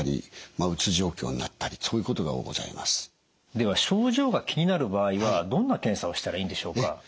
では症状が気になる場合はどんな検査をしたらいいんでしょうか？